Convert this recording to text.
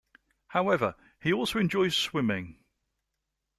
However, he also enjoys swimming.